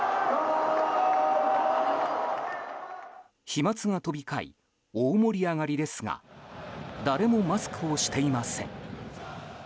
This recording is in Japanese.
飛沫が飛び交い大盛り上がりですが誰もマスクをしていません。